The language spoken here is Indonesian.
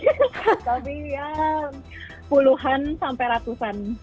tapi ya puluhan sampe ratusan